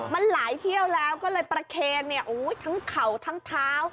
มันหลายเที่ยวแล้วก็เลยประเคนทั้งเข่าทั้งเท้า